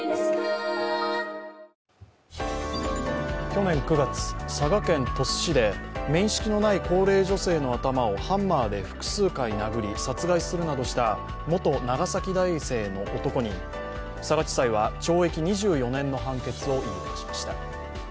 去年９月、佐賀県鳥栖市で面識のない高齢女性の頭をハンマーで複数回殴り殺害するなどした元長崎大生の男に佐賀地裁は懲役２４年の判決を言い渡しました。